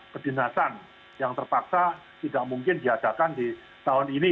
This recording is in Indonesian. kedinasan yang terpaksa tidak mungkin diadakan di tahun ini